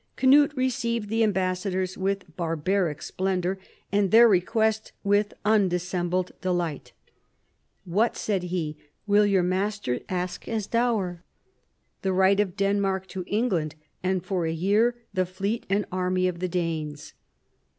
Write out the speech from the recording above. Cnut received the ambassadors with barbaric splendour and their request with undissembled delight. "What," said he, "will your master ask as dower V " The right of Denmark to England, and for ^ year the fleet and army of the Danes."